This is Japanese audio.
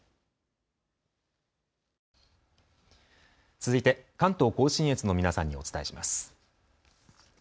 続いて関東甲信越の皆さんにお伝えします。